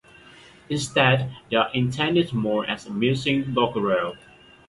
Instead, they are intended more as amusing doggerel.